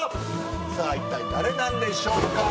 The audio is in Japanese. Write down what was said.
さぁ一体誰なんでしょうか？